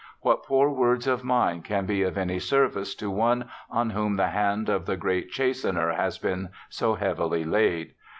What poor words of mine can be of any service to one on whom the hand of the Great Chastener has been so heavily laid?